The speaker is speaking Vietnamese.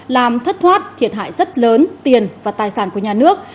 làm thất thoát thiệt hại rất lớn tiền và tài sản của nhà nước